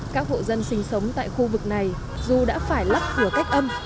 các hộ dân sinh sống tại khu vực này dù đã phải lắp cửa cách âm